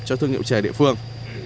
cho thương hiệu chè địa phương